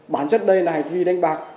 bản chất đây là hành vi đánh bạc